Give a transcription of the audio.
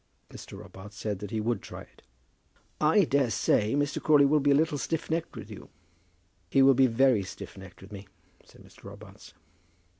Mr. Robarts said that he would try it. "I daresay Mr. Crawley will be a little stiff necked with you." "He will be very stiff necked with me," said Mr. Robarts.